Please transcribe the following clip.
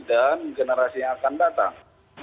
dan generasi yang akan datang